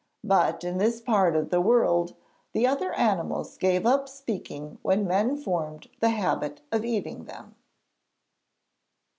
But in this part of the world the other animals gave up speaking when men formed the habit of eating them.'